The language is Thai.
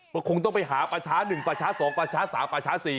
มันคงต้องไปหาป่าช้าหนึ่งป่าช้าสองป่าช้าสามป่าช้าสี่